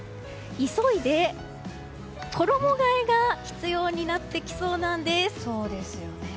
急いで衣替えが必要になってきそうなんです。